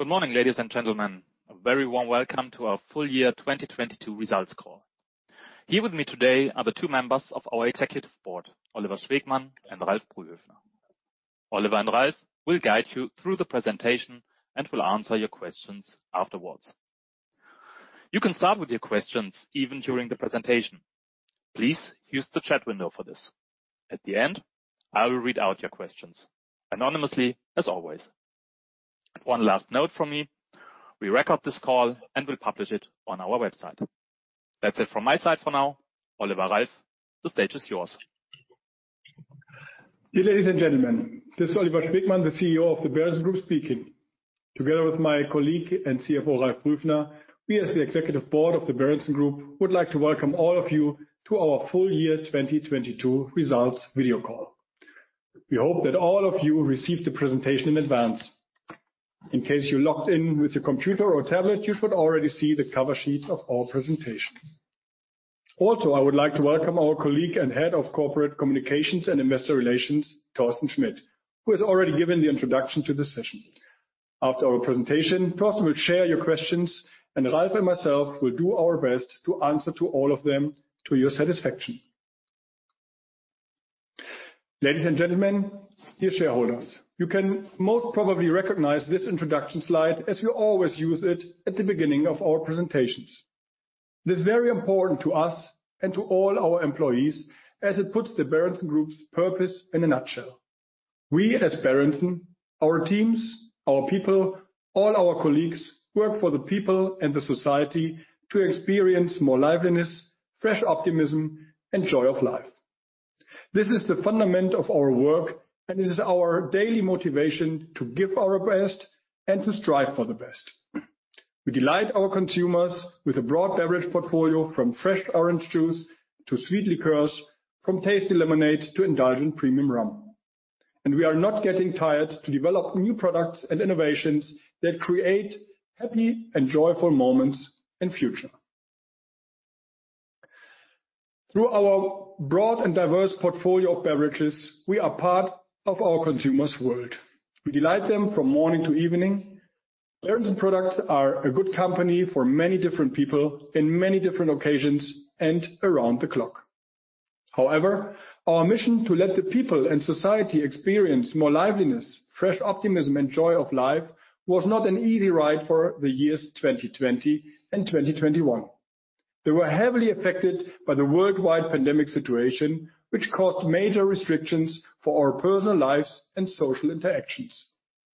Good morning, ladies and gentlemen. A very warm welcome to our full year 2022 results call. Here with me today are the two members of our executive board, Oliver Schwegmann and Ralf Brühöfner. Oliver and Ralf will guide you through the presentation and will answer your questions afterwards. You can start with your questions even during the presentation. Please use the chat window for this. At the end, I will read out your questions anonymously, as always. One last note from me, we record this call and will publish it on our website. That's it from my side for now. Oliver, Ralf, the stage is yours. Dear ladies and gentlemen, this is Oliver Schwegmann, the CEO of the Berentzen-Gruppe speaking. Together with my colleague and CFO, Ralf Brühöfner, we as the executive board of the Berentzen-Gruppe would like to welcome all of you to our full year 2022 results video call. We hope that all of you received the presentation in advance. In case you logged in with your computer or tablet, you should already see the cover sheet of our presentation. I would like to welcome our colleague and Head of Corporate Communications and Investor Relations, Thorsten Schmitt, who has already given the introduction to the session. After our presentation, Thorsten will share your questions, and Ralf and myself will do our best to answer to all of them to your satisfaction. Ladies and gentlemen, dear shareholders, you can most probably recognize this introduction slide as we always use it at the beginning of our presentations. This is very important to us and to all our employees as it puts the Berentzen-Gruppe's purpose in a nutshell. We as Berentzen, our teams, our people, all our colleagues work for the people and the society to experience more liveliness, fresh optimism and joy of life. This is the fundament of our work, and this is our daily motivation to give our best and to strive for the best. We delight our consumers with a broad beverage portfolio from fresh orange juice to sweet liqueurs, from tasty lemonade to indulgent premium rum. We are not getting tired to develop new products and innovations that create happy and joyful moments in future. Through our broad and diverse portfolio of beverages, we are part of our consumers' world. We delight them from morning to evening. Berentzen products are a good company for many different people in many different occasions and around the clock. Our mission to let the people and society experience more liveliness, fresh optimism and joy of life was not an easy ride for the years 2020 and 2021. They were heavily affected by the worldwide pandemic situation, which caused major restrictions for our personal lives and social interactions.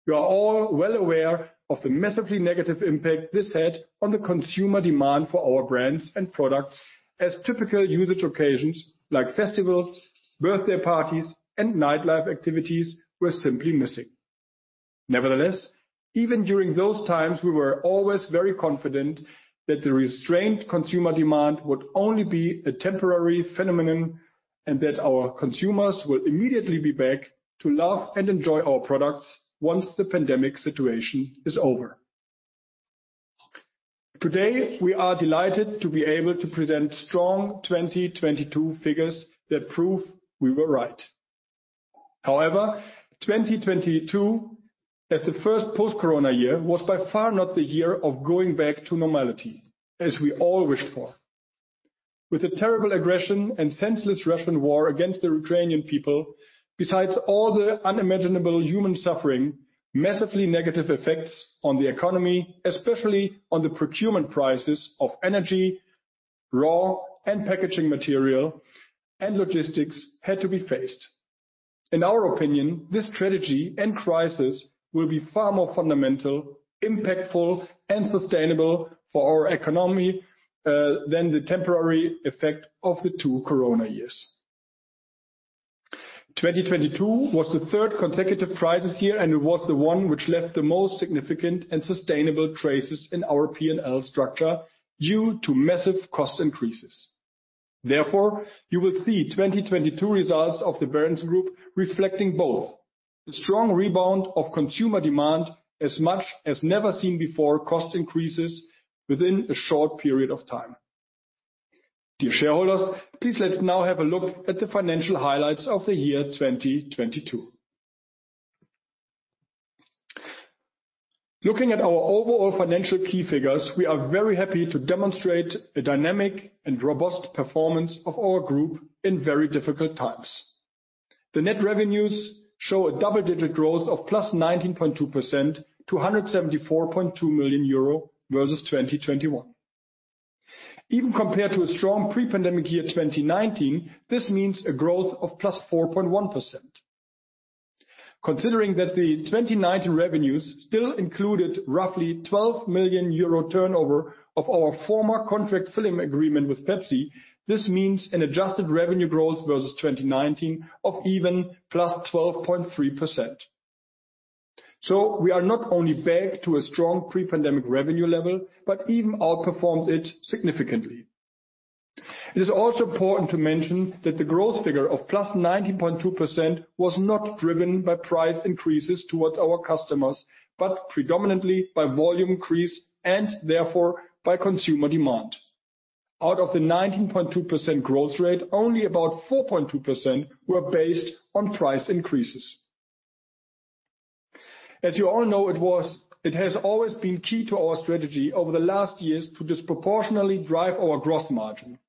You are all well aware of the massively negative impact this had on the consumer demand for our brands and products as typical usage occasions like festivals, birthday parties, and nightlife activities were simply missing. Nevertheless, even during those times, we were always very confident that the restrained consumer demand would only be a temporary phenomenon and that our consumers will immediately be back to love and enjoy our products once the pandemic situation is over. Today, we are delighted to be able to present strong 2022 figures that prove we were right. 2022 as the first post-Corona year was by far not the year of going back to normality, as we all wished for. With the terrible aggression and senseless Russian war against the Ukrainian people, besides all the unimaginable human suffering, massively negative effects on the economy, especially on the procurement prices of energy, raw and packaging material and logistics had to be faced. In our opinion, this tragedy and crisis will be far more fundamental, impactful and sustainable for our economy than the temporary effect of the two Corona years. 2022 was the third consecutive crisis year, and it was the one which left the most significant and sustainable traces in our P&L structure due to massive cost increases. You will see 2022 results of the Berentzen-Gruppe reflecting both the strong rebound of consumer demand as much as never seen before cost increases within a short period of time. Dear shareholders, please let's now have a look at the financial highlights of the year 2022. Looking at our overall financial key figures, we are very happy to demonstrate a dynamic and robust performance of our group in very difficult times. The net revenues show a double-digit growth of +19.2% to 174.2 million euro versus 2021. Even compared to a strong pre-pandemic year 2019, this means a growth of +4.1%. Considering that the 2019 revenues still included roughly 12 million euro turnover of our former contract filling agreement with Pepsi, this means an adjusted revenue growth versus 2019 of even +12.3%. We are not only back to a strong pre-pandemic revenue level, but even outperformed it significantly. It is also important to mention that the growth figure of +19.2% was not driven by price increases towards our customers, but predominantly by volume increase and therefore by consumer demand. Out of the 19.2% growth rate, only about 4.2% were based on price increases. As you all know, it has always been key to our strategy over the last years to disproportionately drive our growth margin.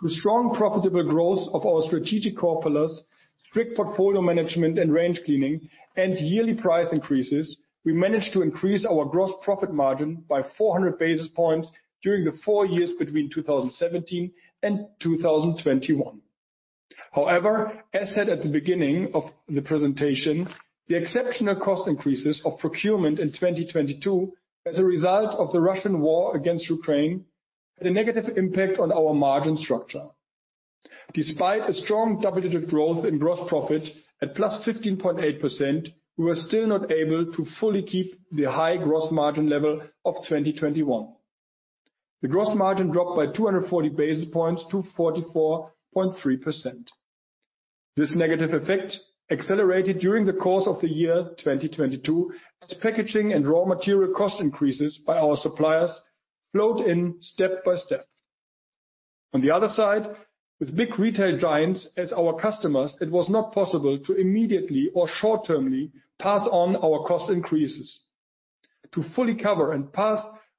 Through strong profitable growth of our strategic core pillars, strict portfolio management and range cleaning, and yearly price increases, we managed to increase our gross profit margin by 400 basis points during the four years between 2017 and 2021. As said at the beginning of the presentation, the exceptional cost increases of procurement in 2022 as a result of the Russian war against Ukraine, had a negative impact on our margin structure. Despite a strong double-digit growth in gross profit at +15.8%, we were still not able to fully keep the high gross margin level of 2021. The gross margin dropped by 240 basis points to 44.3%. This negative effect accelerated during the course of the year 2022 as packaging and raw material cost increases by our suppliers flowed in step by step. On the other side, with big retail giants as our customers, it was not possible to immediately or short-termly pass on our cost increases. To fully cover and pass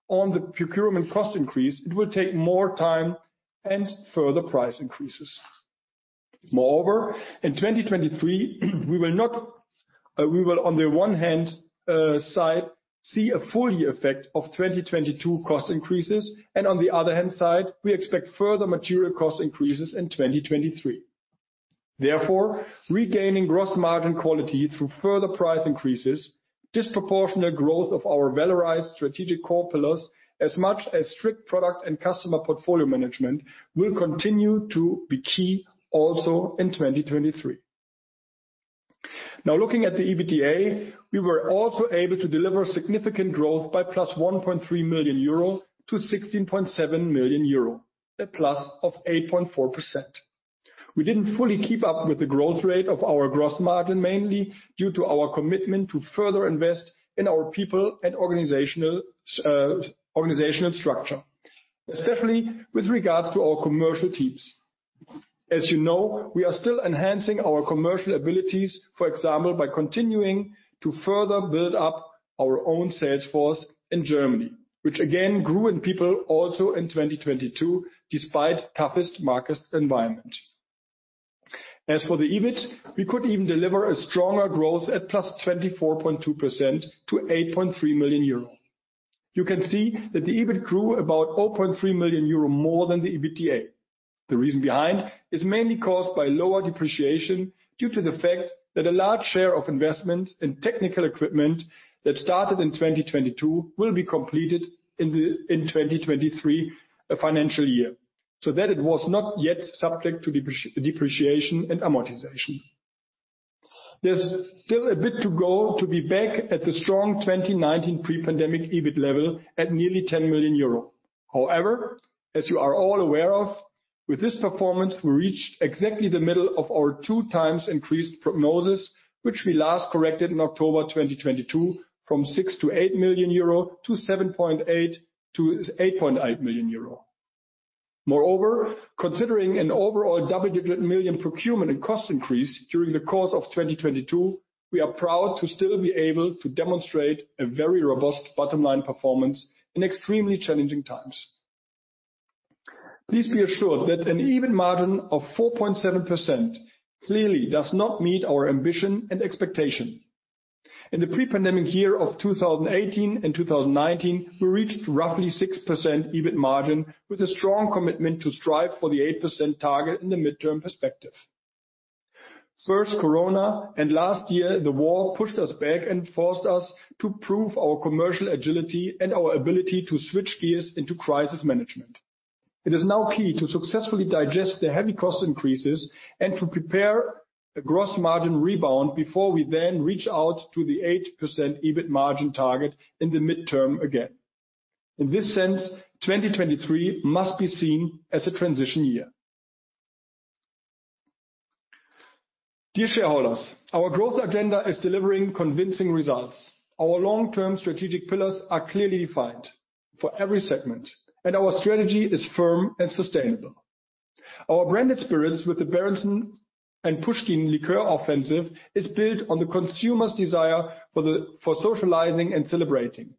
on the procurement cost increase, it will take more time and further price increases. Moreover, in 2023, we will not, we will on the one hand side see a full year effect of 2022 cost increases, and on the other hand side, we expect further material cost increases in 2023. Regaining gross margin quality through further price increases, disproportionate growth of our valorized strategic core pillars, as much as strict product and customer portfolio management will continue to be key also in 2023. Looking at the EBITDA, we were also able to deliver significant growth by +1.3 million euro to 16.7 million euro, a plus of 8.4%. We didn't fully keep up with the growth rate of our gross margin, mainly due to our commitment to further invest in our people and organizational structure, especially with regards to our commercial teams. As you know, we are still enhancing our commercial abilities, for example, by continuing to further build up our own sales force in Germany, which again grew in people also in 2022 despite toughest market environment. For the EBIT, we could even deliver a stronger growth at +24.2% to 8.3 million euro. You can see that the EBIT grew about 0.3 million euro more than the EBITDA. The reason behind is mainly caused by lower depreciation due to the fact that a large share of investment in technical equipment that started in 2022 will be completed in the 2023 financial year, so that it was not yet subject to depreciation and amortization. There's still a bit to go to be back at the strong 2019 pre-pandemic EBIT level at nearly 10 million euro. However, as you are all aware of, with this performance, we reached exactly the middle of our two times increased prognosis, which we last corrected in October 2022 from 6 million-8 million euro to 7.8 million-8.8 million euro. Moreover, considering an overall double-digit million procurement and cost increase during the course of 2022, we are proud to still be able to demonstrate a very robust bottom line performance in extremely challenging times. Please be assured that an EBIT margin of 4.7% clearly does not meet our ambition and expectation. In the pre-pandemic year of 2018 and 2019, we reached roughly 6% EBIT margin with a strong commitment to strive for the 8% target in the midterm perspective. First Corona and last year the war pushed us back and forced us to prove our commercial agility and our ability to switch gears into crisis management. It is now key to successfully digest the heavy cost increases and to prepare a gross margin rebound before we then reach out to the 8% EBIT margin target in the midterm again. In this sense, 2023 must be seen as a transition year. Dear shareholders, our growth agenda is delivering convincing results. Our long-term strategic pillars are clearly defined for every segment, and our strategy is firm and sustainable. Our branded spirits with the Berentzen and Puschkin liqueur offensive is built on the consumer's desire for socializing and celebrating.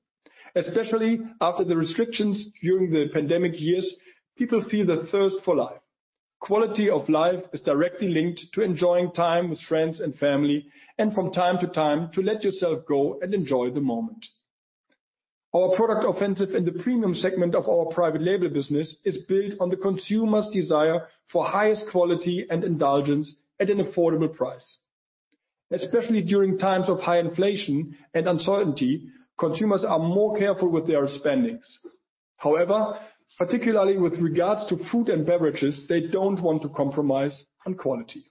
Especially after the restrictions during the pandemic years, people feel the thirst for life. Quality of life is directly linked to enjoying time with friends and family and from time to time to let yourself go and enjoy the moment. Our product offensive in the premium segment of our private label business is built on the consumer's desire for highest quality and indulgence at an affordable price. Especially during times of high inflation and uncertainty, consumers are more careful with their spending. Particularly with regards to food and beverages, they don't want to compromise on quality.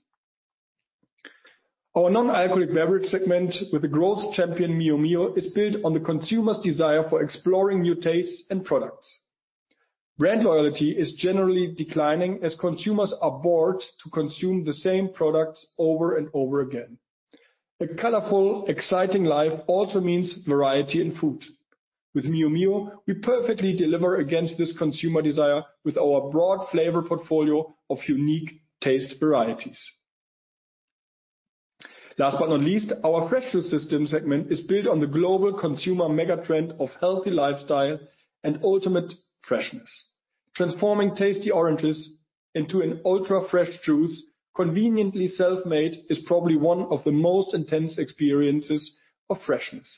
Our non-alcoholic beverage segment with the growth champion Mio Mio is built on the consumer's desire for exploring new tastes and products. Brand loyalty is generally declining as consumers are bored to consume the same products over and over again. A colorful, exciting life also means variety in food. With Mio Mio, we perfectly deliver against this consumer desire with our broad flavor portfolio of unique taste varieties. Last but not least, our Fresh Juice Systems segment is built on the global consumer mega-trend of healthy lifestyle and ultimate freshness. Transforming tasty oranges into an ultra-fresh juice conveniently self-made is probably one of the most intense experiences of freshness.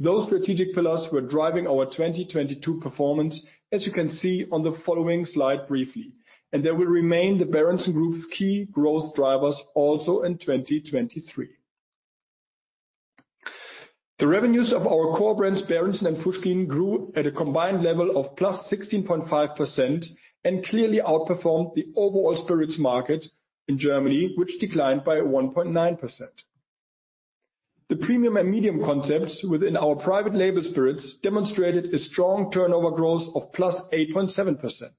Those strategic pillars were driving our 2022 performance, as you can see on the following slide briefly, and they will remain the Berentzen-Gruppe's key growth drivers also in 2023. The revenues of our core brands Berentzen and Puschkin grew at a combined level of +16.5% and clearly outperformed the overall spirits market in Germany, which declined by 1.9%. The premium and medium concepts within our private label spirits demonstrated a strong turnover growth of +8.7%.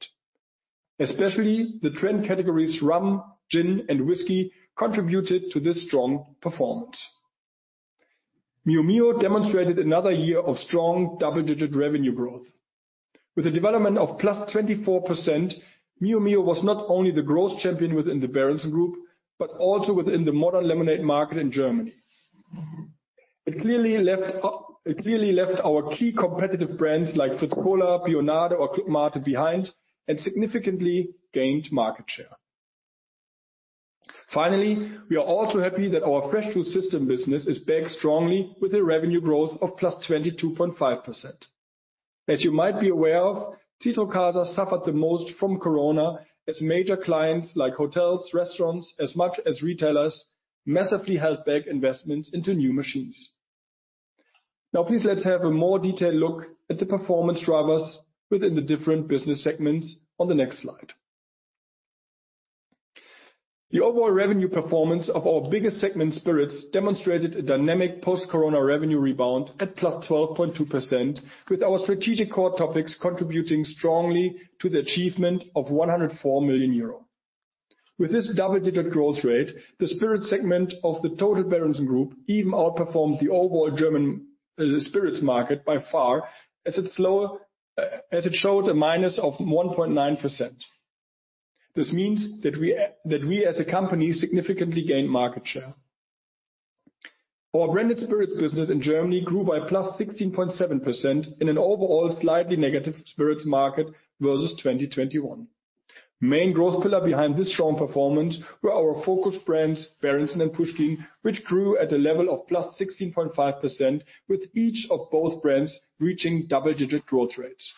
Especially the trend categories rum, gin, and whiskey contributed to this strong performance. Mio Mio demonstrated another year of strong double-digit revenue growth. With a development of +24%, Mio Mio was not only the growth champion within the Berentzen-Gruppe, but also within the modern lemonade market in Germany. It clearly left our key competitive brands like fritz-kola, BIONADE or Club-Mate behind and significantly gained market share. We are all too happy that our Fresh Juice Systems business is back strongly with a revenue growth of +22.5%. As you might be aware of, Citrocasa suffered the most from Corona as major clients like hotels, restaurants, as much as retailers, massively held back investments into new machines. Please let's have a more detailed look at the performance drivers within the different business segments on the next slide. The overall revenue performance of our biggest segment, spirits, demonstrated a dynamic post-Corona revenue rebound at +12.2% with our strategic core topics contributing strongly to the achievement of 104 million euro. With this double-digit growth rate, the spirits segment of the total Berentzen-Gruppe even outperformed the overall German spirits market by far as it showed a -1.9%. This means that we as a company significantly gained market share. Our branded spirits business in Germany grew by +16.7% in an overall slightly negative spirits market versus 2021. Main growth pillar behind this strong performance were our focus brands, Berentzen and Puschkin, which grew at a level of +16.5%, with each of both brands reaching double-digit growth rates.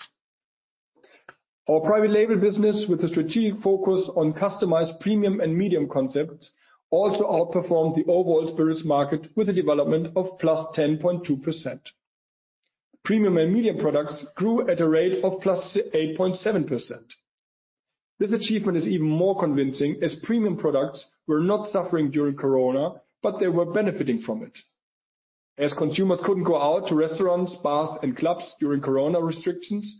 Our private label business with a strategic focus on customized premium and medium concepts also outperformed the overall spirits market with a development of +10.2%. Premium and medium products grew at a rate of +8.7%. This achievement is even more convincing as premium products were not suffering during Corona, but they were benefiting from it. As consumers couldn't go out to restaurants, bars and clubs during Corona restrictions,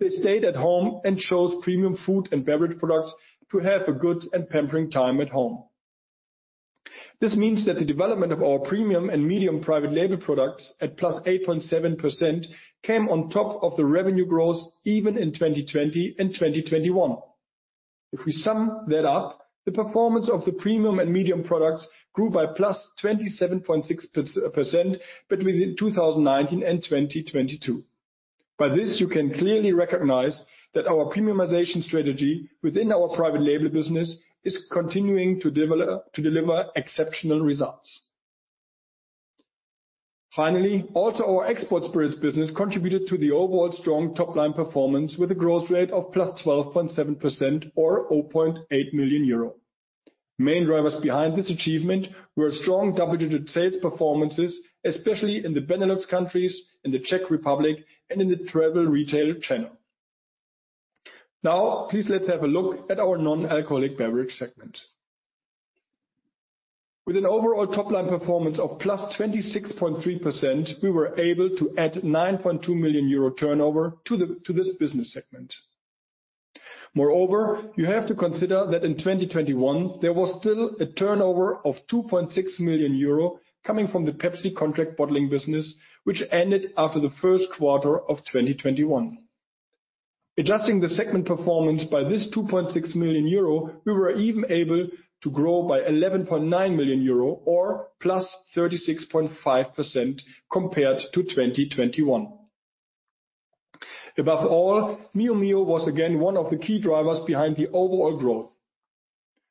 they stayed at home and chose premium food and beverage products to have a good and pampering time at home. This means that the development of our premium and medium private label products at +8.7% came on top of the revenue growth even in 2020 and 2021. If we sum that up, the performance of the premium and medium products grew by +27.6% between 2019 and 2022. By this, you can clearly recognize that our premiumization strategy within our private label business is continuing to develop, to deliver exceptional results. Finally, also our export spirits business contributed to the overall strong top-line performance with a growth rate of +12.7% or 0.8 million euro. Main drivers behind this achievement were strong double-digit sales performances, especially in the Benelux countries, in the Czech Republic, and in the travel retail channel. Now, please let's have a look at our non-alcoholic beverage segment. With an overall top-line performance of +26.3%, we were able to add 9.2 million euro turnover to this business segment. Moreover, you have to consider that in 2021, there was still a turnover of 2.6 million euro coming from the Pepsi contract bottling business, which ended after the first quarter of 2021. Adjusting the segment performance by this 2.6 million euro, we were even able to grow by 11.9 million euro or +36.5% compared to 2021. Above all, Mio Mio was again one of the key drivers behind the overall growth.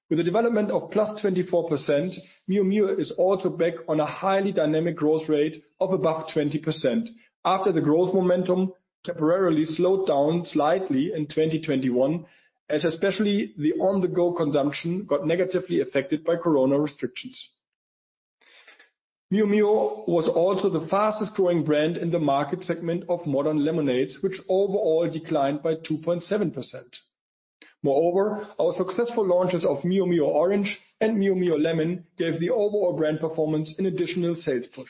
With a development of +24%, Mio Mio is also back on a highly dynamic growth rate of above 20% after the growth momentum temporarily slowed down slightly in 2021, as especially the on-the-go consumption got negatively affected by Corona restrictions. Mio Mio was also the fastest growing brand in the market segment of modern lemonade, which overall declined by 2.7%. Moreover, our successful launches of Mio Mio Orange and Mio Mio Lemon gave the overall brand performance an additional sales push.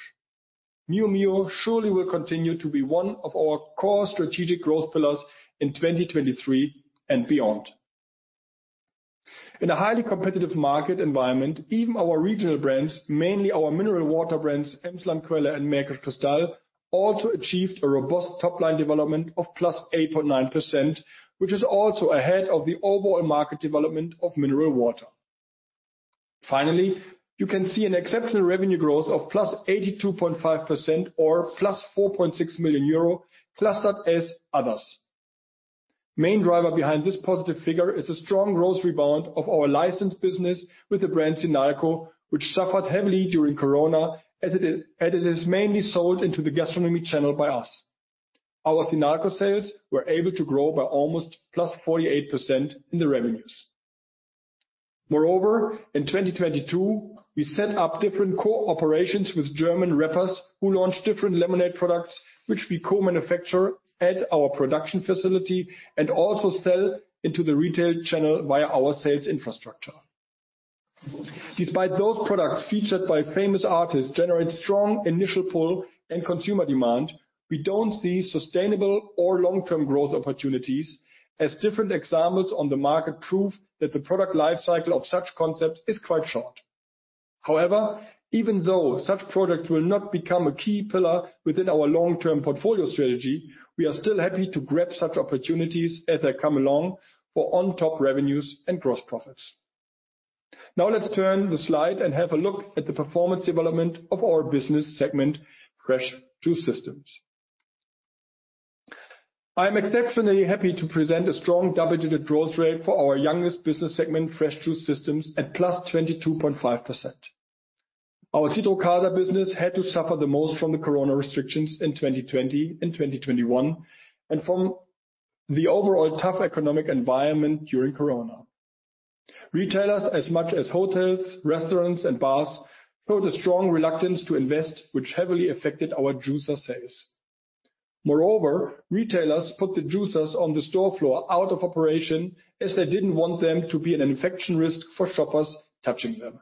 Mio Mio surely will continue to be one of our core strategic growth pillars in 2023 and beyond. In a highly competitive market environment, even our regional brands, mainly our mineral water brands, Emsland Quelle and Märkisch Kristall, also achieved a robust top line development of +8.9%, which is also ahead of the overall market development of mineral water. Finally, you can see an exceptional revenue growth of +82.5% or +4.6 million euro clustered as others. Main driver behind this positive figure is a strong growth rebound of our licensed business with the brand Sinalco, which suffered heavily during Corona as it is mainly sold into the gastronomy channel by us. Our Sinalco sales were able to grow by almost +48% in the revenues. Moreover, in 2022, we set up different cooperations with German rappers who launched different lemonade products, which we co-manufacture at our production facility and also sell into the retail channel via our sales infrastructure. Despite those products featured by famous artists generate strong initial pull and consumer demand, we don't see sustainable or long-term growth opportunities as different examples on the market prove that the product life cycle of such concepts is quite short. However, even though such products will not become a key pillar within our long-term portfolio strategy, we are still happy to grab such opportunities as they come along for on-top revenues and gross profits. Now let's turn the slide and have a look at the performance development of our business segment, Fresh Juice Systems. I am exceptionally happy to present a strong double-digit growth rate for our youngest business segment, Fresh Juice Systems, at +22.5%. Our Citrocasa business had to suffer the most from the corona restrictions in 2020 and 2021, and from the overall tough economic environment during Corona. Retailers, as much as hotels, restaurants, and bars, showed a strong reluctance to invest, which heavily affected our juicer sales. Retailers put the juicers on the store floor out of operation as they didn't want them to be an infection risk for shoppers touching them.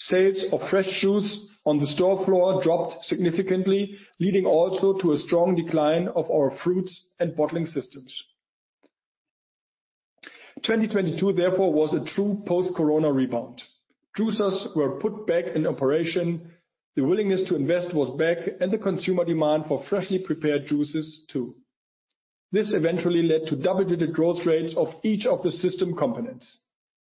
Sales of fresh juice on the store floor dropped significantly, leading also to a strong decline of our fruits and bottling systems. 2022, therefore, was a true post-Corona rebound. Juicers were put back in operation, the willingness to invest was back, and the consumer demand for freshly prepared juices too. This eventually led to double-digit growth rates of each of the system components.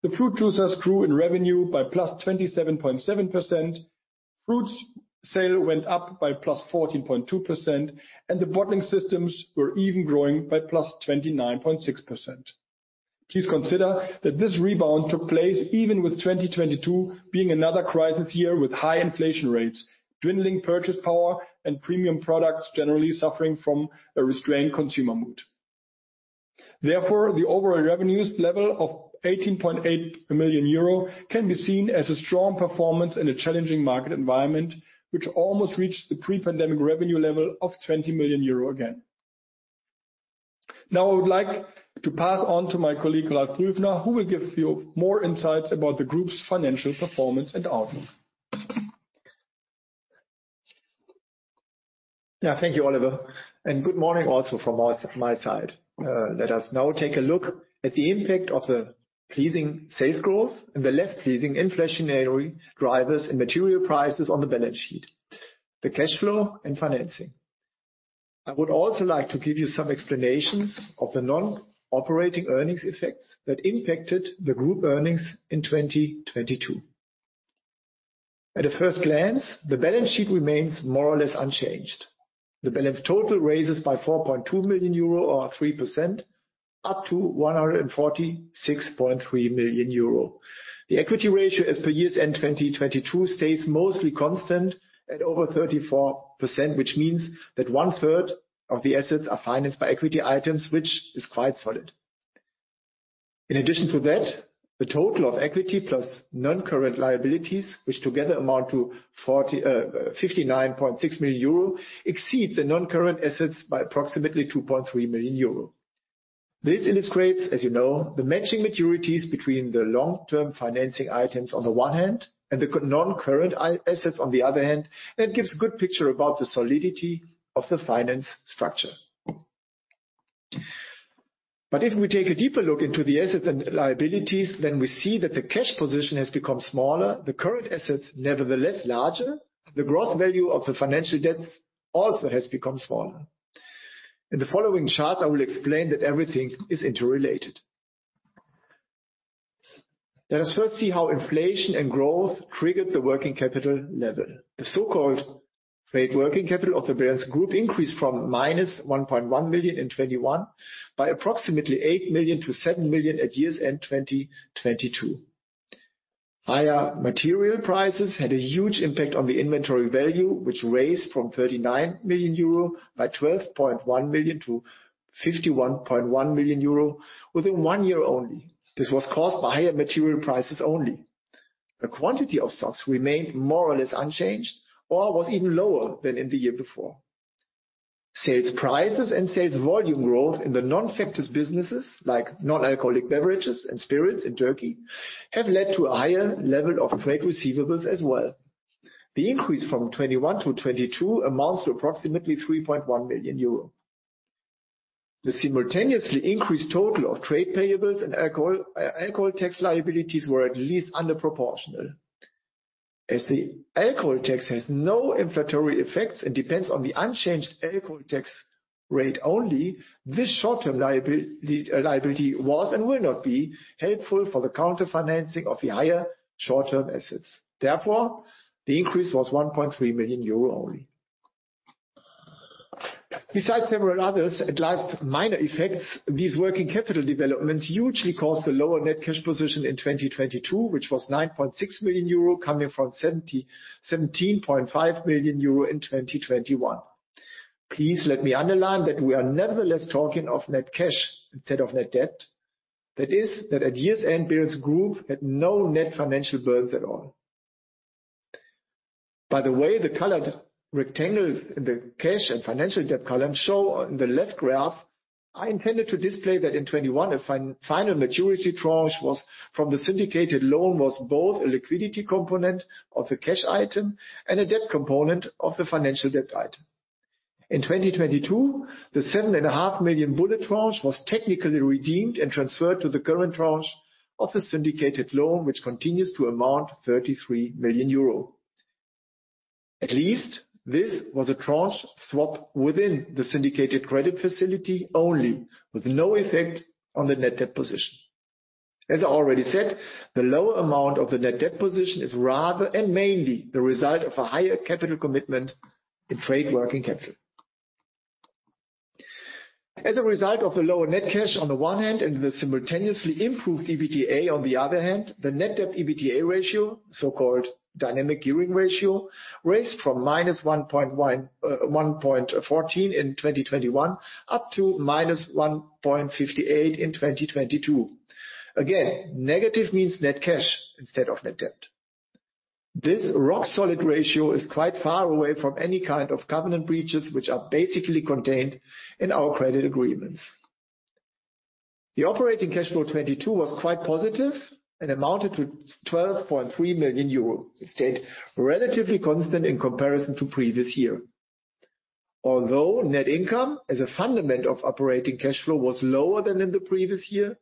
The fruit juicers grew in revenue by +27.7%, fruits sale went up by +14.2%. The bottling systems were even growing by +29.6%. Please consider that this rebound took place even with 2022 being another crisis year with high inflation rates, dwindling purchase power, and premium products generally suffering from a restrained consumer mood. The overall revenues level of 18.8 million euro can be seen as a strong performance in a challenging market environment, which almost reached the pre-pandemic revenue level of 20 million euro again. Now I would like to pass on to my colleague, Ralf Brühöfner, who will give you more insights about the group's financial performance and outlook. Thank you, Oliver, and good morning also from us, my side. Let us now take a look at the impact of the pleasing sales growth and the less pleasing inflationary drivers and material prices on the balance sheet, the cash flow and financing. I would also like to give you some explanations of the non-operating earnings effects that impacted the group earnings in 2022. At a first glance, the balance sheet remains more or less unchanged. The balance total raises by 4.2 million euro or 3% up to 146.3 million euro. The equity ratio as per year-end 2022 stays mostly constant at over 34%, which means that one-third of the assets are financed by equity items, which is quite solid. In addition to that, the total of equity plus non-current liabilities, which together amount to 59.6 million euro, exceed the non-current assets by approximately 2.3 million euro. This illustrates, as you know, the matching maturities between the long-term financing items on the one hand and the non-current assets on the other hand, it gives a good picture about the solidity of the finance structure. If we take a deeper look into the assets and liabilities, we see that the cash position has become smaller, the current assets, nevertheless, larger. The gross value of the financial debts also has become smaller. In the following chart, I will explain that everything is interrelated. Let us first see how inflation and growth triggered the working capital level. The so-called paid working capital of the Berentzen-Gruppe increased from minus 1.1 million in 2021 by approximately 8 million to 7 million at year-end 2022. Higher material prices had a huge impact on the inventory value, which raised from 39 million euro by 12.1 million to 51.1 million euro within one year only. This was caused by higher material prices only. The quantity of stocks remained more or less unchanged or was even lower than in the year before. Sales prices and sales volume growth in the non-focus businesses, like non-alcoholic beverages and spirits in Turkey, have led to a higher level of trade receivables as well. The increase from 2021 to 2022 amounts to approximately 3.1 million euro. The simultaneously increased total of trade payables and alcohol tax liabilities were at least under proportional. As the alcohol tax has no inflationary effects and depends on the unchanged alcohol tax rate only, this short-term liability was and will not be helpful for the counter-financing of the higher short-term assets. Therefore, the increase was 1.3 million euro only. Besides several others, at last, minor effects, these working capital developments hugely caused the lower net cash position in 2022, which was 9.6 million euro coming from 17.5 million euro in 2021. Please let me underline that we are nevertheless talking of net cash instead of net debt. That is that at year's end, Berentzen Group had no net financial burdens at all. By the way, the colored rectangles in the cash and financial debt column show on the left graph, I intended to display that in 2021, a final maturity tranche was from the syndicated loan was both a liquidity component of the cash item and a debt component of the financial debt item. In 2022, the seven and a half million bullet tranche was technically redeemed and transferred to the current tranche of the syndicated loan, which continues to amount 33 million euro. At least this was a tranche swap within the syndicated credit facility only, with no effect on the net debt position. As I already said, the low amount of the net debt position is rather and mainly the result of a higher capital commitment in trade working capital. As a result of the lower net cash on the one hand and the simultaneously improved EBITDA on the other hand, the net debt/EBITDA ratio, so-called dynamic gearing ratio, raised from minus 1.1.14 in 2021 up to minus 1.58 in 2022. Again, negative means net cash instead of net debt. This rock-solid ratio is quite far away from any kind of covenant breaches, which are basically contained in our credit agreements. The operating cash flow 2022 was quite positive and amounted to 12.3 million euros. It stayed relatively constant in comparison to previous year. Although net income as a fundament of operating cash flow was lower than in the previous year,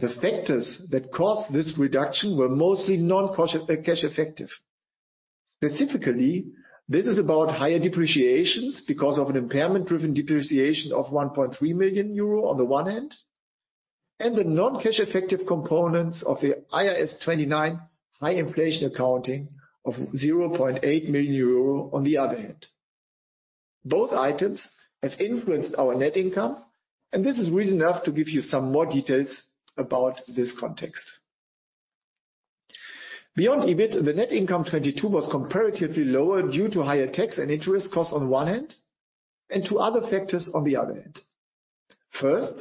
the factors that caused this reduction were mostly non-cash effective. Specifically, this is about higher depreciations because of an impairment-driven depreciation of 1.3 million euro on the one hand, and the non-cash effective components of the IAS 29 high inflation accounting of 0.8 million euro on the other hand. Both items have influenced our net income, and this is reason enough to give you some more details about this context. Beyond EBIT, the net income 2022 was comparatively lower due to higher tax and interest costs on one hand and to other factors on the other hand. First,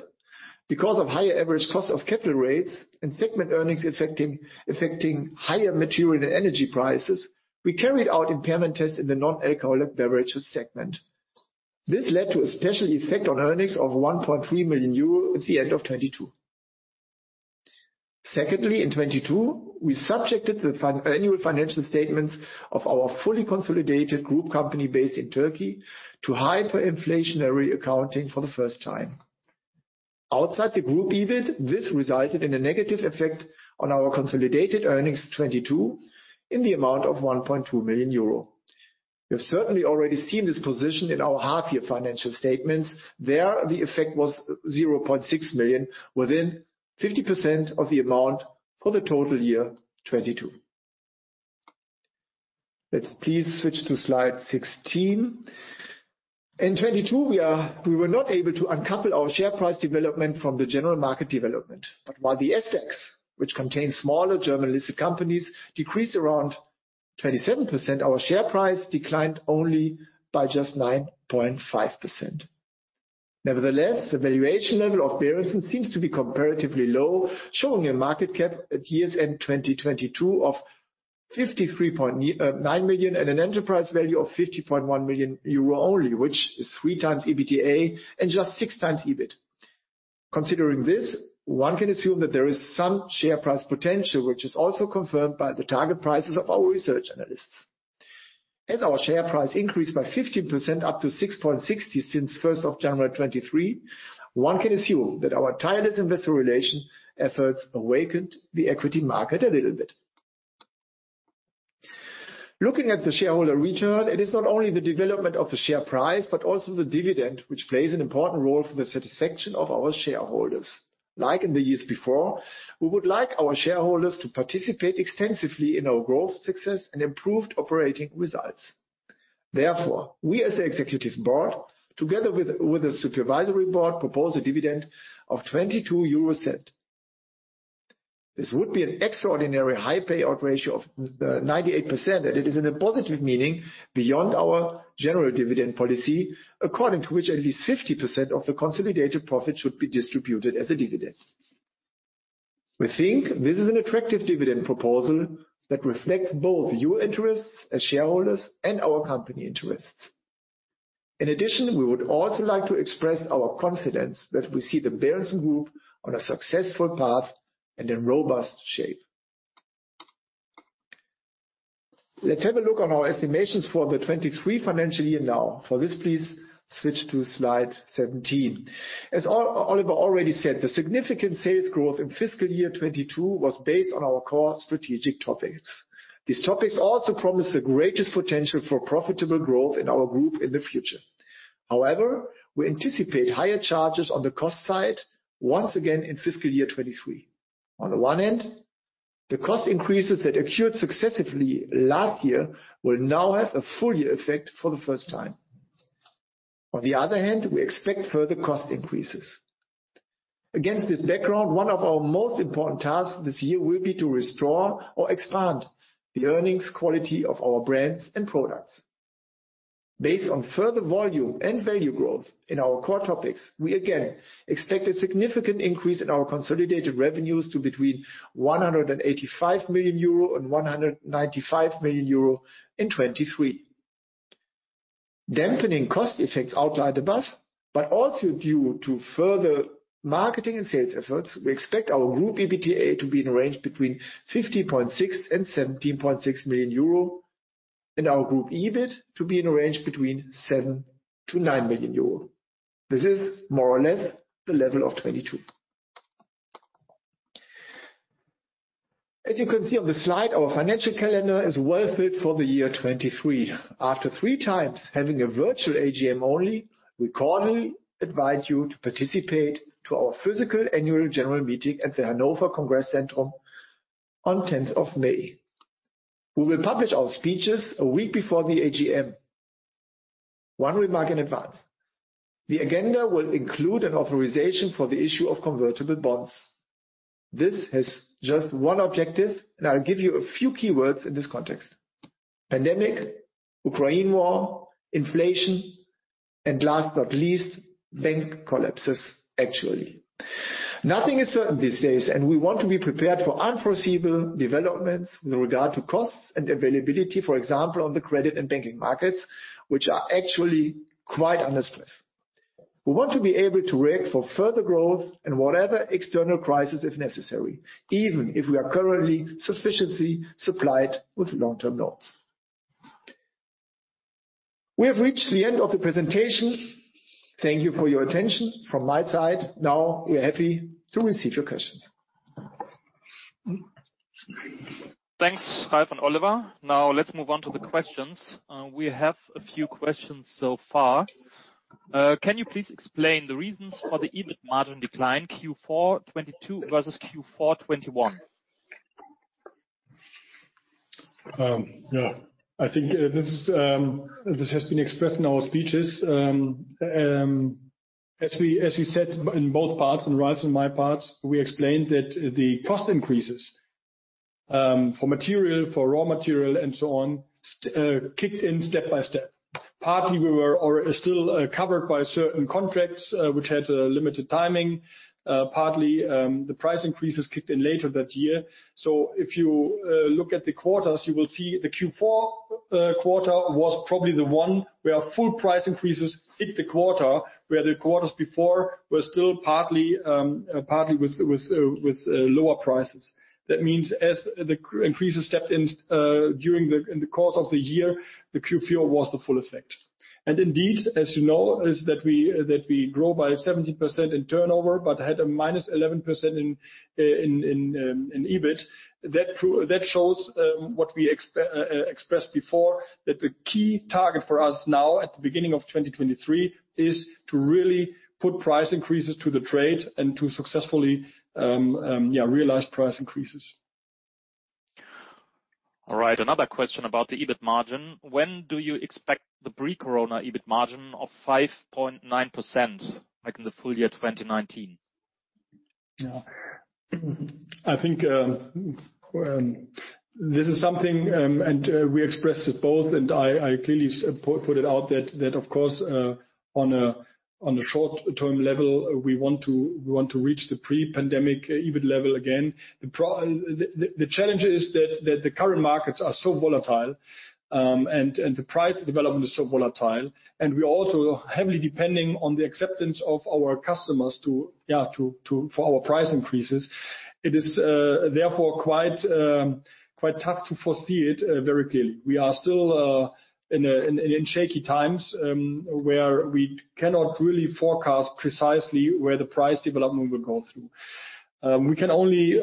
because of higher average cost of capital rates and segment earnings effecting higher material and energy prices, we carried out impairment tests in the non-alcoholic beverages segment. This led to a special effect on earnings of 1.3 million euro at the end of 2022. Secondly, in 2022, we subjected the annual financial statements of our fully consolidated group company based in Turkey to hyperinflationary accounting for the first time. Outside the group EBIT, this resulted in a negative effect on our consolidated earnings 2022 in the amount of 1.2 million euro. You've certainly already seen this position in our half year financial statements. There, the effect was 0.6 million within 50% of the amount for the total year 2022. Let's please switch to slide 16. In 2022, we were not able to uncouple our share price development from the general market development. While the SDAX, which contains smaller German-listed companies, decreased around 27%, our share price declined only by just 9.5%. Nevertheless, the valuation level of Berentzen seems to be comparatively low, showing a market cap at year-end 2022 of 53.9 million and an enterprise value of 50.1 million euro only, which is 3 times EBITDA and just 6 times EBIT. Considering this, one can assume that there is some share price potential, which is also confirmed by the target prices of our research analysts. As our share price increased by 15% up to 6.60 since 1st of January 2023, one can assume that our tireless investor relation efforts awakened the equity market a little bit. Looking at the shareholder return, it is not only the development of the share price, but also the dividend, which plays an important role for the satisfaction of our shareholders. Like in the years before, we would like our shareholders to participate extensively in our growth success and improved operating results. We as the executive board, together with the supervisory board, propose a dividend of 0.22. This would be an extraordinary high payout ratio of 98%, it is in a positive meaning beyond our general dividend policy, according to which at least 50% of the consolidated profit should be distributed as a dividend. We think this is an attractive dividend proposal that reflects both your interests as shareholders and our company interests. We would also like to express our confidence that we see the Berentzen-Gruppe on a successful path and in robust shape. Let's have a look on our estimations for the 2023 financial year now. For this, please switch to slide 17. As Oliver already said, the significant sales growth in fiscal year 2022 was based on our core strategic topics. These topics also promise the greatest potential for profitable growth in our group in the future. We anticipate higher charges on the cost side once again in fiscal year 2023. On the one end, the cost increases that occurred successively last year will now have a full year effect for the first time. On the other hand, we expect further cost increases. Against this background, one of our most important tasks this year will be to restore or expand the earnings quality of our brands and products. Based on further volume and value growth in our core topics, we again expect a significant increase in our consolidated revenues to between 185 million euro and 195 million euro in 2023. Dampening cost effects outlined above, but also due to further marketing and sales efforts, we expect our group EBITDA to be in a range between 50.6 million and 17.6 million euro, and our group EBIT to be in a range between 7 million-9 million euro. This is more or less the level of 2022. As you can see on the slide, our financial calendar is well fit for the year 2023. After three times having a virtual AGM only, we cordially advise you to participate to our physical annual general meeting at the Hannover Congress Centrum on 10th of May. We will publish our speeches a week before the AGM. One remark in advance, the agenda will include an authorization for the issue of convertible bonds. This has just one objective, and I'll give you a few keywords in this context. Pandemic, Ukraine war, inflation, and last but not least, bank collapses, actually. Nothing is certain these days. We want to be prepared for unforeseeable developments with regard to costs and availability, for example, on the credit and banking markets, which are actually quite under stress. We want to be able to work for further growth and whatever external crisis if necessary, even if we are currently sufficiently supplied with long-term loans. We have reached the end of the presentation. Thank you for your attention from my side. We're happy to receive your questions. Thanks, Ralf and Oliver. Let's move on to the questions. We have a few questions so far. Can you please explain the reasons for the EBIT margin decline Q4 2022 versus Q4 2021? Yeah, I think this is, this has been expressed in our speeches. As we said in both parts, in Ralf's and my parts, we explained that the cost increases for material, for raw material and so on, kicked in step by step. Partly we were or are still covered by certain contracts, which had a limited timing. Partly, the price increases kicked in later that year. If you look at the quarters, you will see the Q4 was probably the one where full price increases hit the quarter, where the quarters before were still partly with lower prices. That means as the increases stepped in in the course of the year, the Q4 was the full effect. Indeed, as you know, is that we, that we grow by 70% in turnover, but had a -11% in EBIT. That shows what we expressed before, that the key target for us now at the beginning of 2023 is to really put price increases to the trade and to successfully, yeah, realize price increases. All right, another question about the EBIT margin. When do you expect the pre-corona EBIT margin of 5.9%, like in the full year 2019? Yeah, I think this is something. We expressed it both, and I clearly put it out that of course, on a short-term level, we want to reach the pre-pandemic EBIT level again. The challenge is that the current markets are so volatile, and the price development is so volatile, and we're also heavily depending on the acceptance of our customers to, yeah, for our price increases. It is therefore quite tough to foresee it very clearly. We are still in shaky times, where we cannot really forecast precisely where the price development will go through. We can only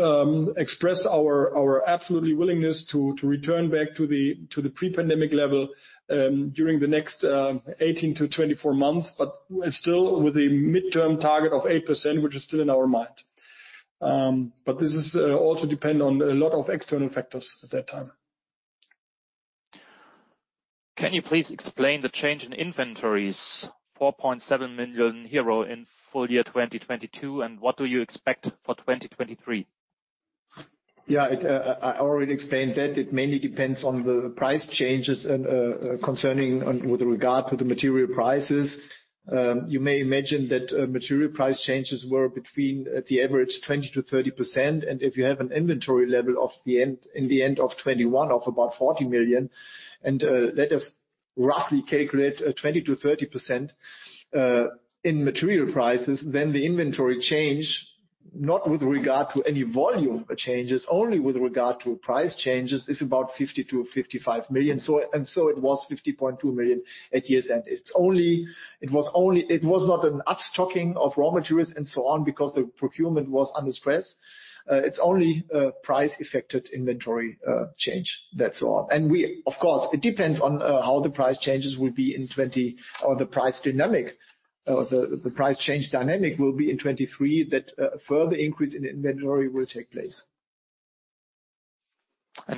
express our absolutely willingness to return back to the pre-pandemic level during the next 18-24 months, but it's still with a midterm target of 8%, which is still in our mind. This is also depend on a lot of external factors at that time. Can you please explain the change in inventories, 4.7 million euro in full year 2022, and what do you expect for 2023? Yeah, it, I already explained that. It mainly depends on the price changes with regard to the material prices. You may imagine that material price changes were between at the average 20% to 30%. If you have an inventory level of the end, in the end of 2021 of about 40 million, and let us roughly calculate 20% to 30% in material prices, then the inventory change, not with regard to any volume changes, only with regard to price changes, is about 50 million-55 million. It was 50.2 million at year's end. It was not an upstocking of raw materials and so on because the procurement was under stress. It's only a price affected inventory change. That's all. We Of course, it depends on how the price changes will be in 2020 or the price dynamic or the price change dynamic will be in 2023, that a further increase in inventory will take place.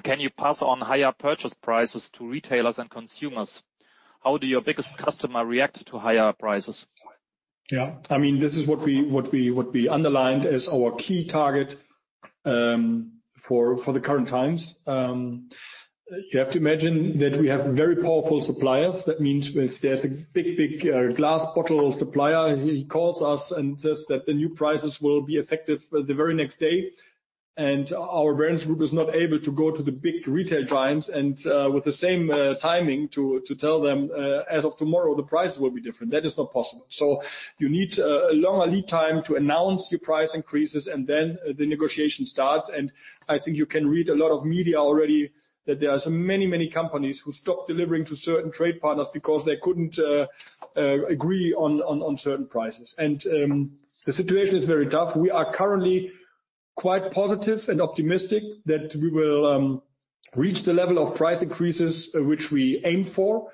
Can you pass on higher purchase prices to retailers and consumers? How do your biggest customer react to higher prices? Yeah. I mean, this is what we underlined as our key target for the current times. You have to imagine that we have very powerful suppliers. That means if there's a big glass bottle supplier, he calls us and says that the new prices will be effective the very next day. Our brands group is not able to go to the big retail giants and with the same timing to tell them as of tomorrow the prices will be different. That is not possible. You need a longer lead time to announce your price increases, and then the negotiation starts. I think you can read a lot of media already that there are so many companies who stopped delivering to certain trade partners because they couldn't agree on certain prices. The situation is very tough. We are currently quite positive and optimistic that we will reach the level of price increases which we aim for.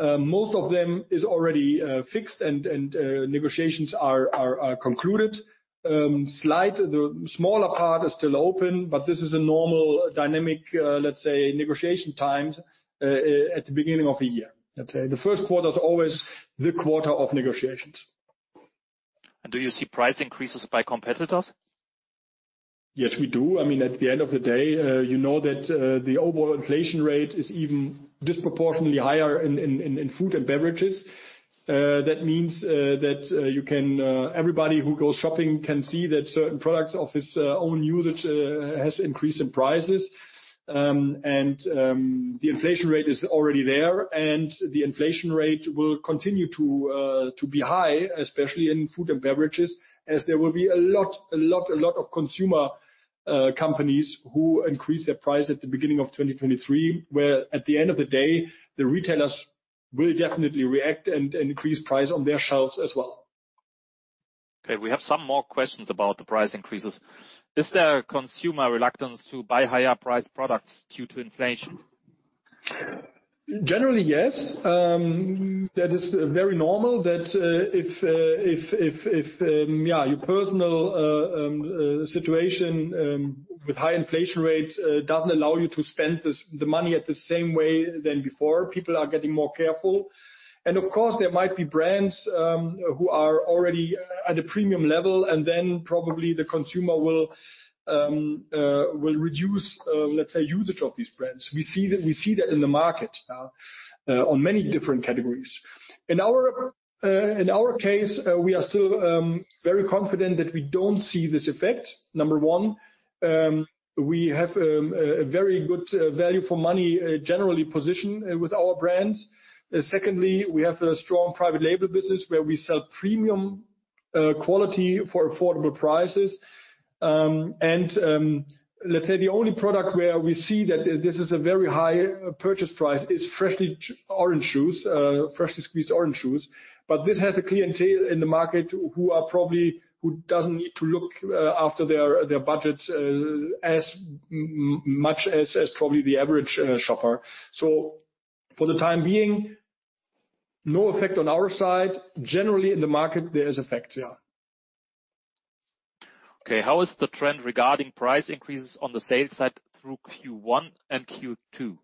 Most of them is already fixed and negotiations are concluded. The smaller part is still open, but this is a normal dynamic, let's say negotiation times, at the beginning of a year. Let's say the first quarter is always the quarter of negotiations. Do you see price increases by competitors? Yes, we do. I mean, at the end of the day, you know that the overall inflation rate is even disproportionately higher in food and beverages. That means that everybody who goes shopping can see that certain products of his own usage has increased in prices. The inflation rate is already there, and the inflation rate will continue to be high, especially in food and beverages, as there will be a lot, a lot, a lot of consumer companies who increase their price at the beginning of 2023, where at the end of the day, the retailers will definitely react and increase price on their shelves as well. Okay, we have some more questions about the price increases. Is there a consumer reluctance to buy higher priced products due to inflation? Generally, yes. That is very normal that, if, yeah, your personal situation, with high inflation rates, doesn't allow you to spend the money at the same way than before. People are getting more careful. Of course, there might be brands, who are already at a premium level, and then probably the consumer will reduce, let's say, usage of these brands. We see that in the market now, on many different categories. In our case, we are still very confident that we don't see this effect. Number one, we have a very good value for money, generally positioned with our brands. Secondly, we have a strong private label business where we sell premium quality for affordable prices. Let's say the only product where we see that this is a very high purchase price is freshly orange juice, freshly squeezed orange juice. This has a clientele in the market who doesn't need to look after their budget as much as probably the average shopper. For the time being, no effect on our side. Generally in the market, there is effect, yeah. Okay, how is the trend regarding price increases on the sales side through Q1 and Q2?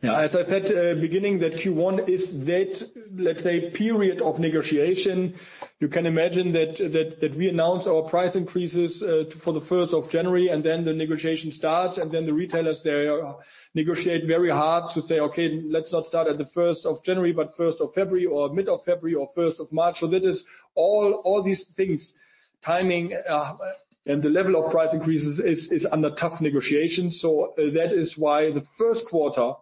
As I said, beginning that Q1 is that, let's say, period of negotiation. You can imagine that we announce our price increases for the 1st of January. The negotiation starts, and the retailers, they negotiate very hard to say, "Okay, let's not start at the 1st of January, but 1st of February or mid-February or 1st of March." That is all these things, timing, and the level of price increases is under tough negotiations. That is why the 1st quarter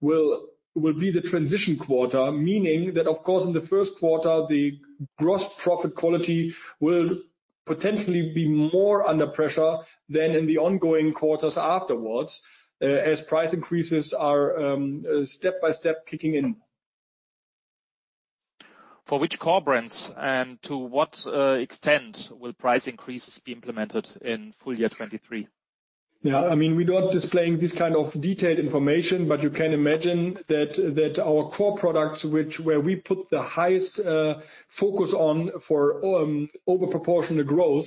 will be the transition quarter, meaning that of course, in the Q1, the gross profit quality will potentially be more under pressure than in the ongoing quarters afterwards, as price increases are step by step kicking in. For which core brands and to what extent will price increases be implemented in full year 2023? Yeah, I mean, we're not displaying this kind of detailed information, but you can imagine that our core products, which where we put the highest focus on for over proportional growth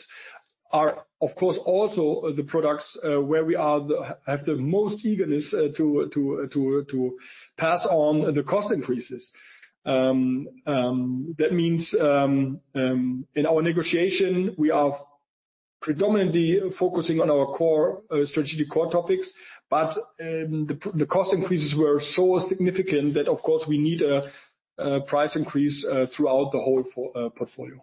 are of course, also the products where we have the most eagerness to pass on the cost increases. That means in our negotiation, we are predominantly focusing on our core, strategic core topics. The cost increases were so significant that, of course, we need a price increase throughout the whole portfolio.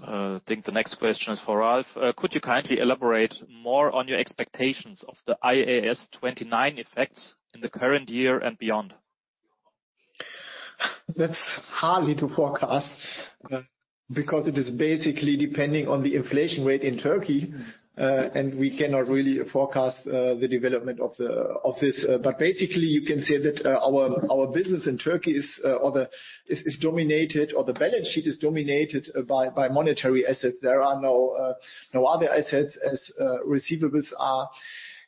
I think the next question is for Ralf. Could you kindly elaborate more on your expectations of the IAS 29 effects in the current year and beyond? That's hardly to forecast because it is basically depending on the inflation rate in Turkey. We cannot really forecast the development of this. Basically, you can say that our business in Turkey is dominated or the balance sheet is dominated by monetary assets. There are no other assets as receivables are.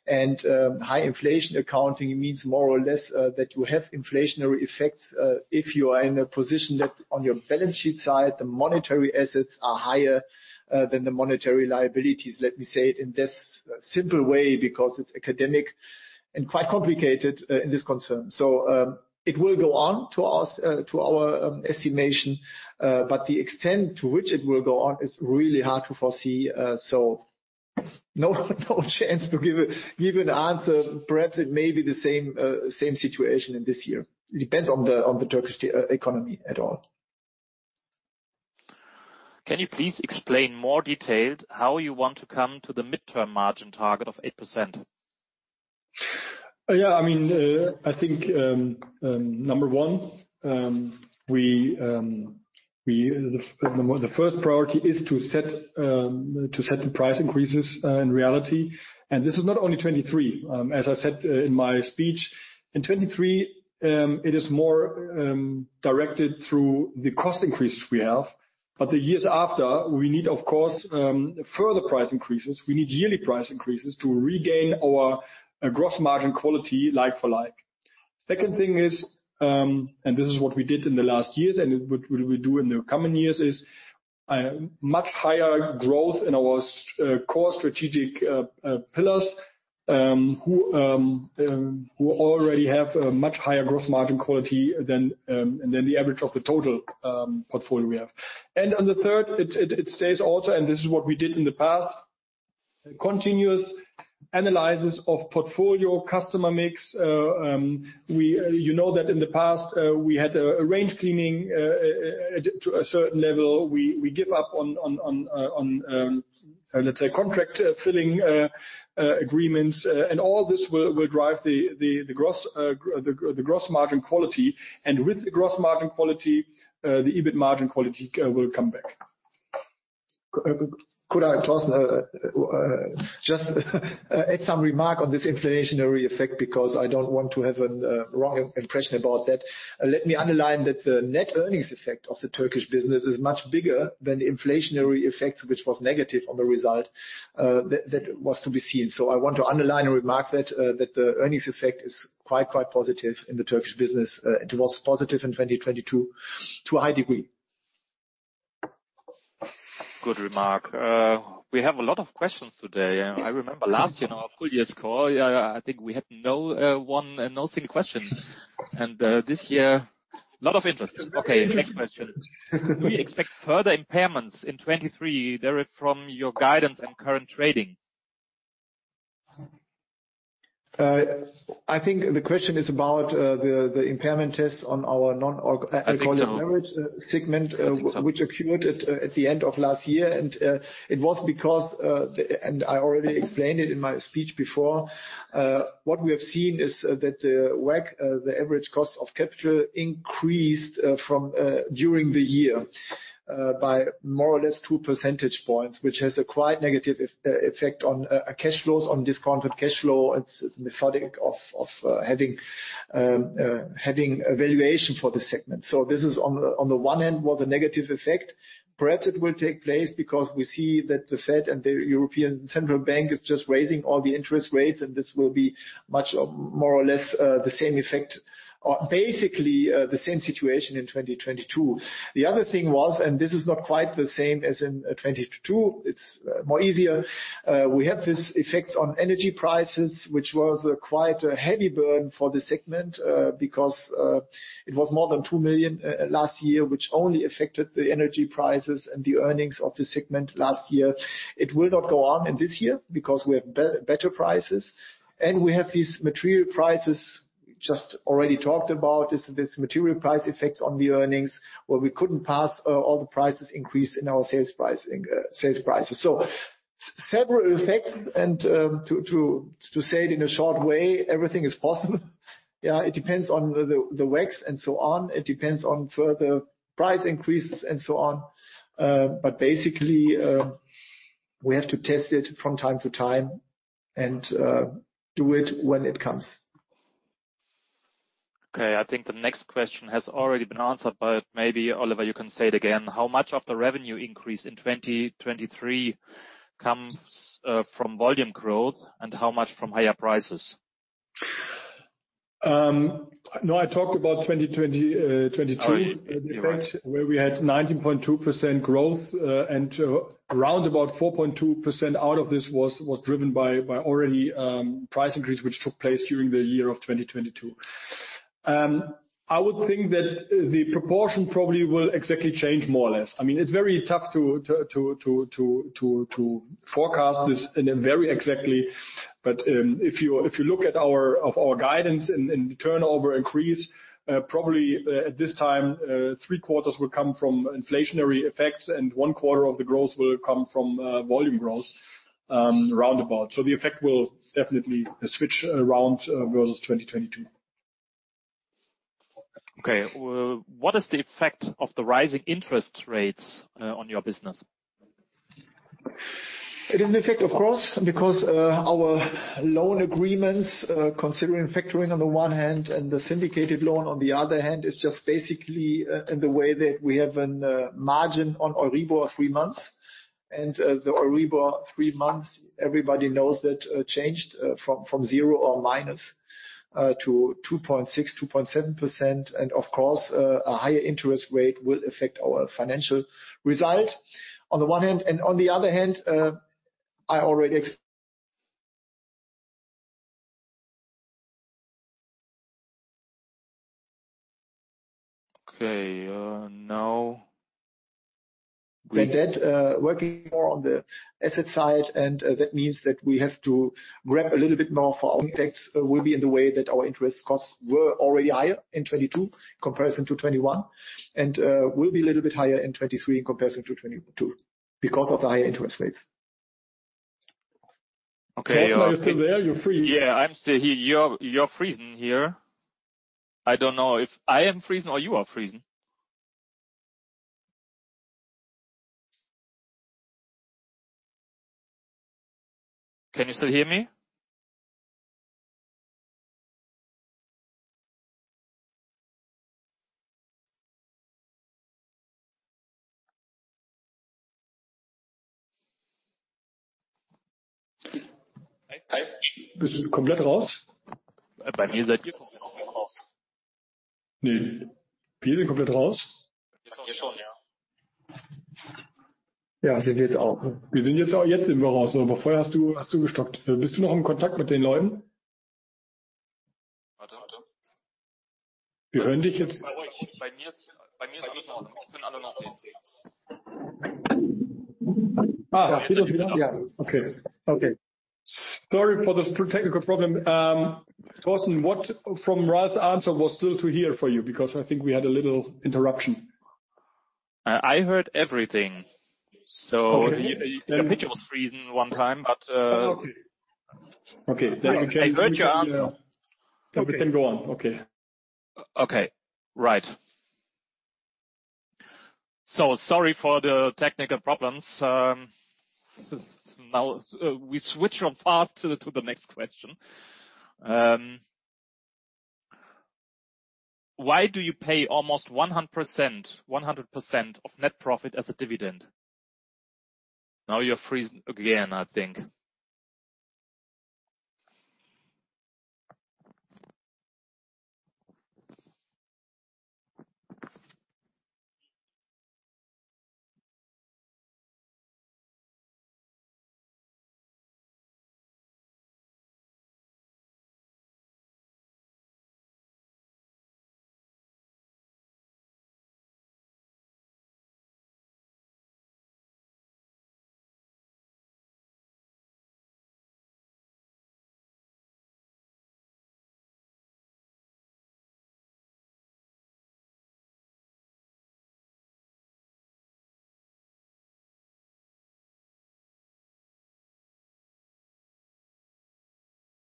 High inflation accounting means more or less that you have inflationary effects if you are in a position that on your balance sheet side, the monetary assets are higher than the monetary liabilities. Let me say it in this simple way because it's academic and quite complicated in this concern. It will go on to us to our estimation. The extent to which it will go on is really hard to foresee. No chance to give an answer. Perhaps it may be the same situation in this year. Depends on the Turkish economy at all. Can you please explain more detailed how you want to come to the midterm margin target of 8%? Yeah. I mean, I think number one, the first priority is to set the price increases in reality. This is not only 2023. As I said in my speech, in 2023, it is more directed through the cost increase we have. The years after, we need, of course, further price increases. We need yearly price increases to regain our gross margin quality like for like. Second thing is, this is what we did in the last years and which we will do in the coming years, is much higher growth in our core strategic pillars, who already have a much higher gross margin quality than the average of the total portfolio we have. On the third, it stays also, and this is what we did in the past, continuous analysis of portfolio customer mix. You know that in the past, we had a range cleaning to a certain level. We give up on contract filling agreements. All this will drive the gross margin quality. With the gross margin quality, the EBIT margin quality will come back. Could I just add some remark on this inflationary effect because I don't want to have a wrong impression about that. Let me underline that the net earnings effect of the Turkish business is much bigger than the inflationary effects, which was negative on the result, that was to be seen. I want to underline and remark that the earnings effect is quite positive in the Turkish business. It was positive in 2022 to a high degree. Good remark. We have a lot of questions today. I remember last, you know, full year's call, I think we had no one and no single question. This year, lot of interest. Next question. Do you expect further impairments in 2023 direct from your guidance and current trading? I think the question is about, the impairment tests on our- I think so. alcoholic beverage segment- I think so. which occurred at the end of last year. It was because I already explained it in my speech before. What we have seen is that the WACC, the average cost of capital increased from during the year by more or less 2 percentage points, which has a quite negative effect on cash flows, on discounted cash flow. It's methodic of having a valuation for this segment. This is on the one end was a negative effect. Perhaps it will take place because we see that the Fed and the European Central Bank is just raising all the interest rates, and this will be much of more or less the same effect or basically the same situation in 2022. The other thing was, this is not quite the same as in 2022, it's more easier. We have this effect on energy prices, which was quite a heavy burden for the segment, because it was more than 2 million last year, which only affected the energy prices and the earnings of the segment last year. It will not go on in this year because we have better prices. We have these material prices just already talked about, is this material price effects on the earnings where we couldn't pass all the prices increase in our sales pricing, sales prices. Several effects and to say it in a short way, everything is possible. Yeah, it depends on the WACCs and so on. It depends on further price increases and so on. Basically, we have to test it from time to time and do it when it comes. I think the next question has already been answered. Maybe, Oliver, you can say it again. How much of the revenue increase in 2023 comes from volume growth and how much from higher prices? no, I talked about 2020- Oh, you're right in effect, where we had 19.2% growth, and around about 4.2% out of this was driven by already, price increase, which took place during the year of 2022. I would think that the proportion probably will exactly change more or less. I mean, it's very tough to forecast this in a very exactly. If you look at of our guidance and the turnover increase, probably at this time, three quarters will come from inflationary effects, and one quarter of the growth will come from volume growth, roundabout. The effect will definitely switch around versus 2022. Okay. What is the effect of the rising interest rates on your business? It is an effect, of course, because our loan agreements, considering factoring on the one hand and the syndicated loan on the other hand, is just basically in the way that we have an margin on our EURIBOR of 3 months. The EURIBOR 3 months, everybody knows that, changed from 0 or minus to 2.6%-2.7%. Of course, a higher interest rate will affect our financial result on the one hand and on the other hand, I already Okay. Working more on the asset side, that means that we have to grab a little bit more for our tax will be in the way that our interest costs were already higher in 2022 comparison to 2021, will be a little bit higher in 2023 in comparison to 2022 because of the higher interest rates. Okay. Thorsten, are you still there? You're freezing. I'm still here. You're freezing here. I don't know if I am freezing or you are freezing. Can you still hear me? Bist du komplett raus? Bei mir seid ihr komplett raus. Nee. Wir sind komplett raus. Ihr schon, ja.[foreign language/German] Ja, sind jetzt auch.[foreign laguage/German] Jetzt sind wir raus, aber vorher hast du gestockt. Bist du noch in Kontakt mit den Leuten? Warte. Wir hören dich jetzt. Bei mir ist alles in Ordnung. Ich bin alle noch sehen.[foreign laguage/German] Wieder da.[foreign language/German] Ja.[foreign language/German] Okay. Okay. Sorry for the technical problem. Thorsten, what from Ralf's answer was still to hear for you? I think we had a little interruption. I heard everything. The picture was freezing one time, but. Okay. I heard your answer. We can go on. Okay. Okay. Right. Sorry for the technical problems. Now we switch on fast to the, to the next question. Why do you pay almost 100% of net profit as a dividend? Now you're freezing again, I think.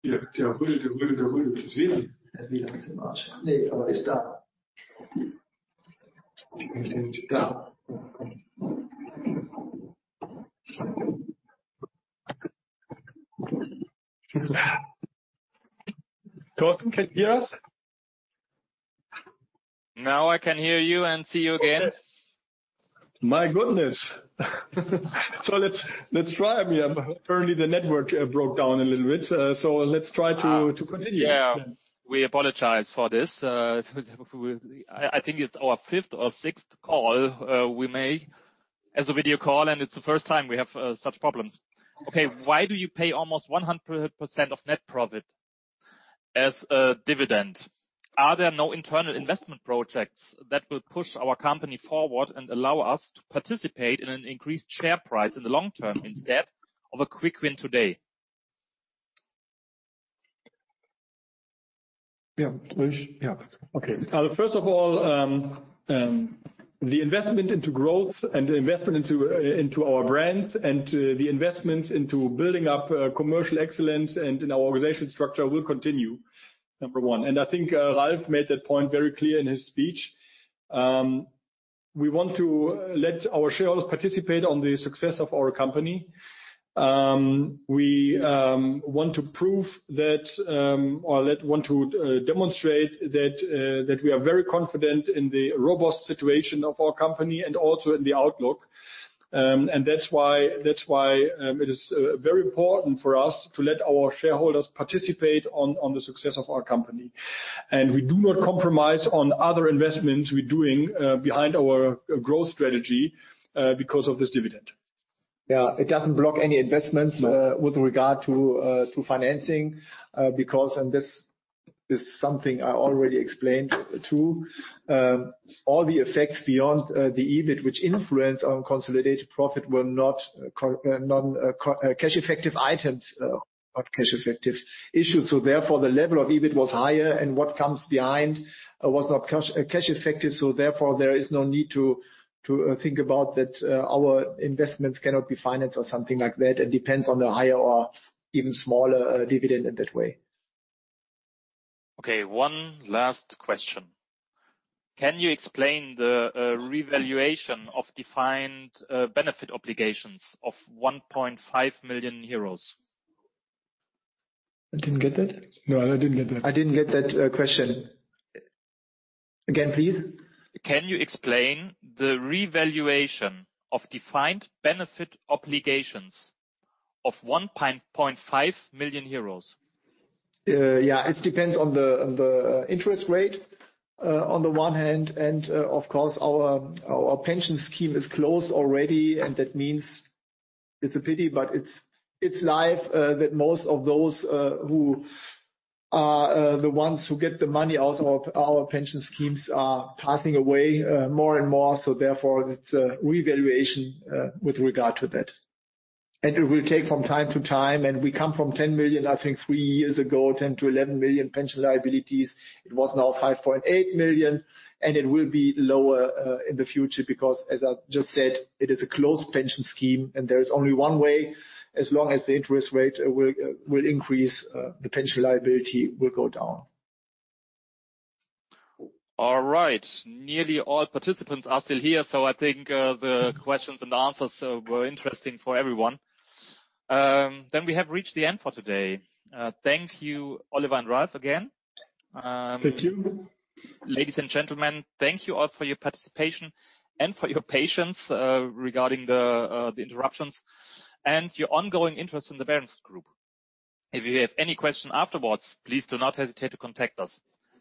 Ja, der rüttelt, der rüttelt, der rüttelt ein bisschen.[foreign language/German] Das wiegt ein bisschen viel. Nee, aber ist da.[foreign language/German] Da.[foreign language/German] Thorsten, can you hear us? Now I can hear you and see you again. My goodness. Let's try. I mean, apparently the network broke down a little bit, let's try to continue. Yeah. We apologize for this. I think it's our fifth or sixth call we made as a video call, and it's the first time we have such problems. Why do you pay almost 100% of net profit as a dividend? Are there no internal investment projects that will push our company forward and allow us to participate in an increased share price in the long term instead of a quick win today? Yeah. Yeah. Okay. First of all, the investment into growth and the investment into our brands and the investments into building up commercial excellence and in our organization structure will continue, number one. I think Ralf made that point very clear in his speech. We want to let our shareholders participate on the success of our company. We want to prove that or want to demonstrate that we are very confident in the robust situation of our company and also in the outlook. That's why it is very important for us to let our shareholders participate on the success of our company. We do not compromise on other investments we're doing behind our growth strategy because of this dividend. Yeah, it doesn't block any investments. No. With regard to financing, because, and this is something I already explained too, all the effects beyond the EBIT which influence on consolidated profit were not cash effective items, not cash effective issues. Therefore, the level of EBIT was higher, and what comes behind was not cash effective, therefore there is no need to, uh, think about that, our investments cannot be financed or something like that. It depends on the higher or even smaller dividend in that way. Okay, one last question. Can you explain the revaluation of defined benefit obligations of 1.5 million euros? I didn't get that. No, I didn't get that. I didn't get that question. Again, please. Can you explain the revaluation of defined benefit obligations of 1.5 million euros? Yeah. It depends on the interest rate on the one hand, and of course our pension scheme is closed already, and that means it's life that most of those who are the ones who get the money out of our pension schemes are passing away more and more. Therefore, it's a revaluation with regard to that. It will take from time to time, and we come from 10 million, I think three years ago, 10 million-11 million pension liabilities. It was now 5.8 million, and it will be lower in the future because, as I just said, it is a closed pension scheme and there is only one way, as long as the interest rate will increase, the pension liability will go down. All right. Nearly all participants are still here, I think the questions and answers were interesting for everyone. We have reached the end for today. Thank you Oliver and Ralf again. Thank you. Ladies and gentlemen, thank you all for your participation and for your patience regarding the interruptions and your ongoing interest in the Berentzen Group. If you have any questions afterwards, please do not hesitate to contact us.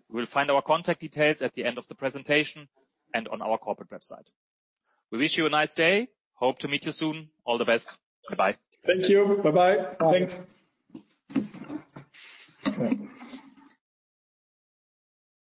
You will find our contact details at the end of the presentation and on our corporate website. We wish you a nice day. Hope to meet you soon. All the best. Bye-bye. Thank you. Bye-bye. Thanks.